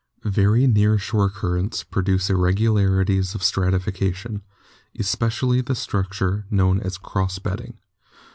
Very near shore currents produce irregularities of stratification, especially the structure known as cross bed ding.